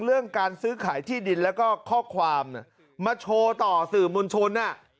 เรื่องการซื้อขายที่ดินแล้วก็ข้อความมาโชว์ต่อสื่อมวลชน